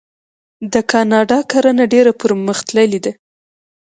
د کاناډا کرنه ډیره پرمختللې ده.